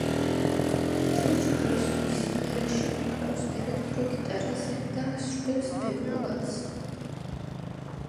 ჯორჯ ჰარისონი სიმღერაში უკრავს ელექტრო გიტარაზე და ასრულებს ბეკ-ვოკალს.